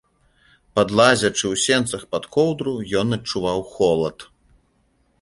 Падлазячы ў сенцах пад коўдру, ён адчуваў холад.